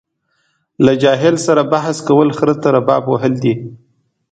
له جاهل سره بحث کول خره ته رباب وهل دي.